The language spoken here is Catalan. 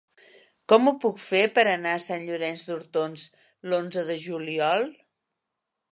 Com ho puc fer per anar a Sant Llorenç d'Hortons l'onze de juliol?